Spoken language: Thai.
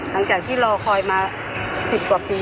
หลังจากที่รอคอยมา๑๐กว่าปี